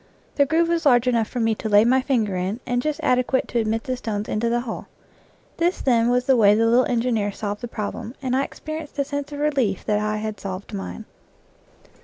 The groove was large enough for me to lay my finger in and just adequate to admit the stones into the hole. This, then, was the way the little engineer solved the problem, and I experienced a sense of relief that I had solved mine.